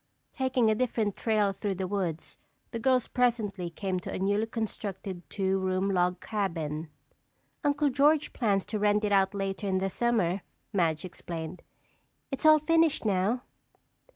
Taking a different trail through the woods, the girls presently came to a newly constructed two room log cabin. "Uncle George plans to rent it out later in the summer," Madge explained. "It's all finished now."